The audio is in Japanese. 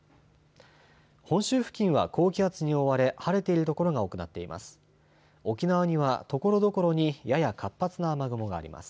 本州付近は高気圧に覆われ晴れている所が多くなっています。